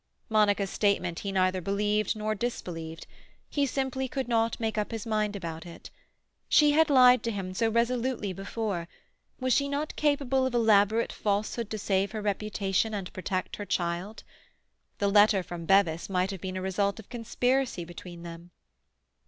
Monica's statement he neither believed nor disbelieved; he simply could not make up his mind about it. She had lied to him so resolutely before; was she not capable of elaborate falsehood to save her reputation and protect her child? The letter from Bevis might have been a result of conspiracy between them.